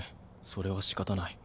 それはしかたない。